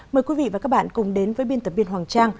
mời quý vị và các bạn cùng đến với biên tập viên hoàng trang